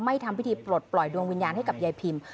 ทำพิธีปลดปล่อยดวงวิญญาณให้กับยายพิม